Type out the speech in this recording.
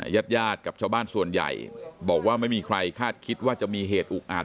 ญาติญาติกับชาวบ้านส่วนใหญ่บอกว่าไม่มีใครคาดคิดว่าจะมีเหตุอุกอาจ